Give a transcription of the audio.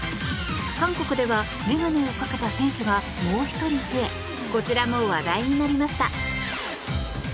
韓国ではメガネをかけた選手がもう１人増えこちらも話題になりました。